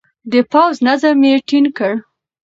د پوځ نظم يې ټينګ کړ.